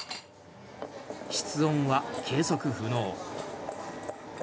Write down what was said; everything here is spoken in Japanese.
室温は計測不能。